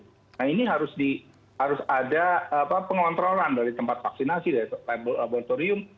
nah ini harus ada pengontrolan dari tempat vaksinasi dari laboratorium